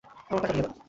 আমার টাকা দিয়ে দেন।